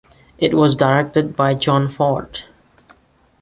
It was directed by John Ford.